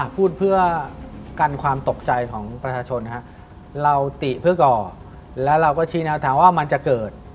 พูดเพื่อกันความตกใจของประชาชนเราติเพื่อก่อแล้วเราก็ชี้แนวทางว่ามันจะเกิด